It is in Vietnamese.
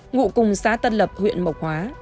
ngụ cùng xá tân lập huyện mộc hóa